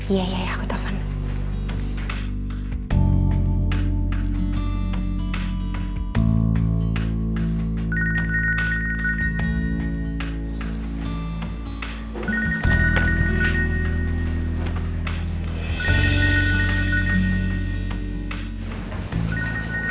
iya ya aku telepon